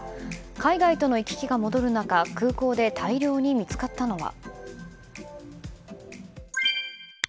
海外との行き来が戻る中空港で大量に見つかったのは。